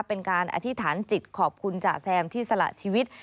เป็นการอธิษฐานจิตขอบคุณจ่าแซมที่สละชีวิต